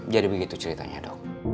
jadi begitu ceritanya dok